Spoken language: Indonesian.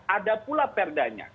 ada pula perdanya